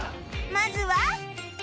まずは